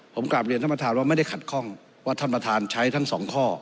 ผมกลับเรียนท่านประธานว่าไม่ได้ขัดข้องว่าท่านประธานใช้ทั้งสองข้อ